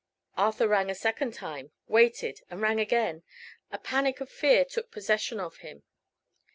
Arthur rang a second time; waited, and rang again. A panic of fear took possession of him.